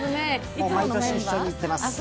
もう毎年一緒に行っています。